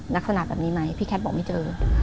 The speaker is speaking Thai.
ลักษณะแบบนี้ไหมพี่แคทบอกไม่เจอ